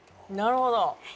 なるほど。